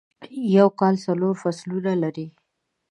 یوکال څلورفصلونه لري ..